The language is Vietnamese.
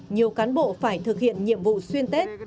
nhiều cán bộ phải thực hiện nhiệm vụ xuyên tết